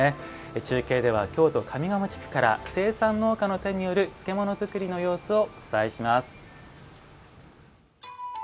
中継では京都・上賀茂地区から生産農家の手による漬物作りの様子をお伝えします。